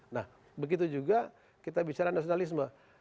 nah begitu juga kita bicara nasionalisme